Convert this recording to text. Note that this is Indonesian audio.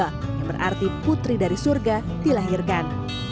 yang berarti putri dari surga dilahirkan